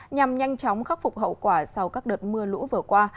nhằm nhanh chóng khắc phục hậu quả sau các đợt mưa lũ vừa qua